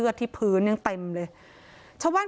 ใช่ยอมรับผิด